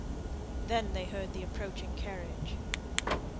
Then they heard the approaching carriage.